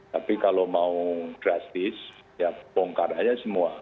tapi kalau mau drastis ya bongkar aja semua